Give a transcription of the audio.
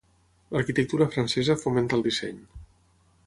L'arquitectura francesa fomenta el disseny.